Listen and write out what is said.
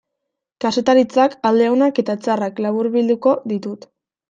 Kazetaritzak alde onak eta txarrak laburbilduko ditut.